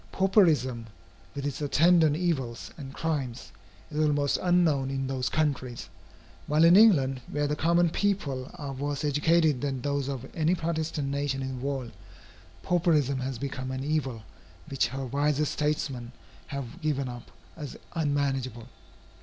Pauperism, with its attendant evils and crimes, is almost unknown in those countries, while in England, where the common people are worse educated than those of any Protestant nation in the world, pauperism has become an evil which her wisest statesmen have given up as unmanageable.